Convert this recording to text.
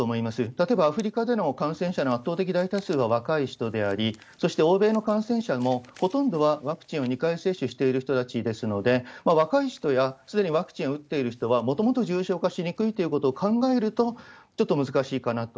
例えばアフリカでの感染者の圧倒的大多数は若い人であり、そして欧米の感染者も、ほとんどはワクチンを２回接種している人たちですので、若い人や、すでにワクチンを打っている人はもともと重症化しにくいということを考えると、ちょっと難しいかなと。